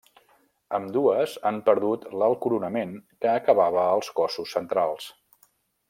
Ambdues han perdut l'alt coronament que acabava els cossos centrals.